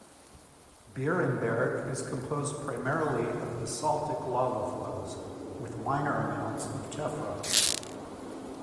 Beerenberg is composed primarily of basaltic lava flows with minor amounts of tephra.